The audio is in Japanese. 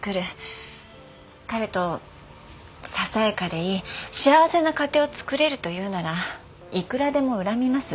彼とささやかでいい幸せな家庭をつくれるというならいくらでも恨みます